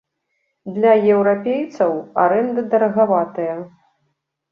Для еўрапейцаў арэнда дарагаватая.